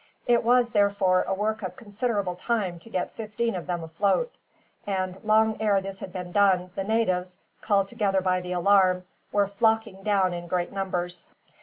It was, therefore, a work of considerable time to get fifteen of them afloat; and long ere this had been done, the natives, called together by the alarm, were flocking down in great numbers.